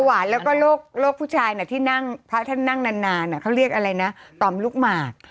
บะหวานแล้วก็โรคผู้ชายที่พระท่านนั่งนานเขาเรียกอะไรนะต่อมลูกหมาก